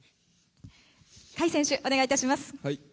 甲斐選手、お願いいたします。